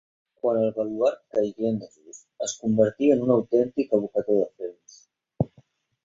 Quan el baluard caigué en desús es convertí en un autèntic abocador de fems.